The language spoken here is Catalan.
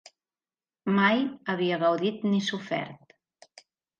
Mai havia gaudit ni sofert